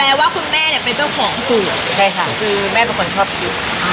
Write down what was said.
ว่าคุณแม่เนี่ยเป็นเจ้าของสูตรใช่ค่ะคือแม่เป็นคนชอบชิม